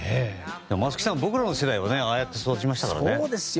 松木さん、僕らの世代はああやって育ちましたからね。